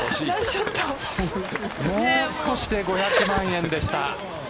もう少しで５００万円でした。